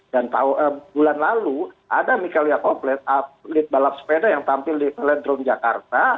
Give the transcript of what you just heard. dan bulan lalu ada mikael yacob atlet balap sepeda yang tampil di pelet drum jakarta